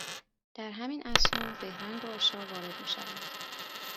در همین اثنا بهرنگ و آشا وارد میشوند